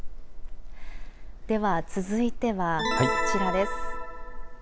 では続いてはこちらです。